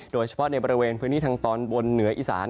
โดยเฉพาะในบริเวณพื้นที่ทางตอนบนเหนืออีสาน